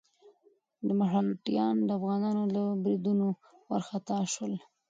مرهټیان د افغانانو له بريدونو وارخطا شول.